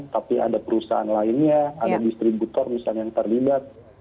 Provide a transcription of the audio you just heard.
tapi ada perusahaan lainnya ada distributor misalnya yang terlibat